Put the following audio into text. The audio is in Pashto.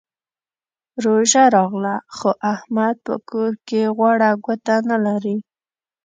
روژه راغله؛ خو احمد په کور کې غوړه ګوته نه لري.